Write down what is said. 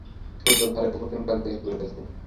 সূর্য পাহাড়ের পশ্চিমপ্রান্তে হেলিয়া পড়িয়াছে।